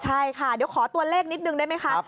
ใช่ค่ะเดี๋ยวขอตัวเลขนิดนึงได้ไหมคะ